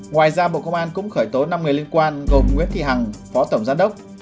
ngoài ra bộ công an cũng khởi tố năm người liên quan gồm nguyễn thị hằng phó tổng giám đốc